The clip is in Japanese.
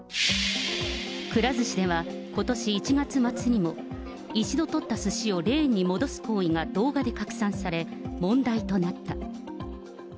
くら寿司では、ことし１月末にも、一度取ったすしをレーンに戻す行為が動画で拡散され、問題となった。